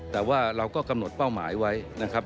แต่ว่าเราก็กำหนดเป้าหมายไว้นะครับ